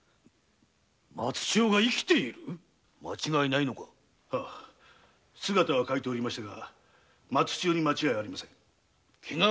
松千代が生きている間違いないのか姿は変えておりましたが間違いなく松千代。